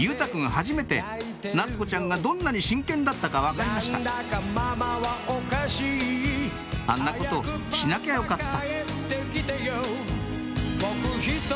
はじめて夏子ちゃんがどんなに真剣だったか分かりました「あんなことしなきゃよかった」